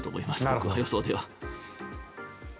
僕の予想では。